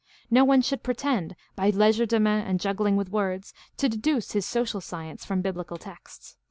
No one should pretend, by legerdemain and juggling with words, to deduce his social science from biblical texts.